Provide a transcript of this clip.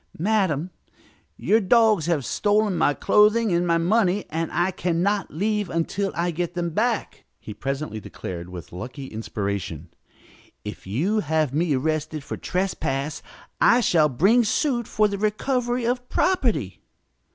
"Madam, your dogs have stolen my clothing and my money, and I can not leave until I get them back," he presently declared with lucky inspiration. "If you have me arrested for trespass I shall bring suit for the recovery of property."